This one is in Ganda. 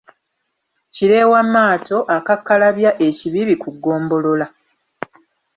Kireewa Maato akakkalabya e Kibibi ku ggombolola.